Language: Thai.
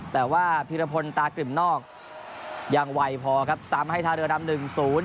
แต่ว่าพิรพลตากริ่มนอกยังไวพอครับซ้ำให้ท่าเรือดำหนึ่งศูนย์